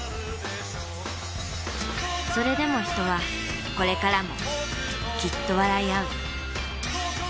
それでも人はこれからもきっと笑いあう。